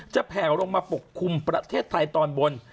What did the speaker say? แผลลงมาปกคลุมประเทศไทยตอนบน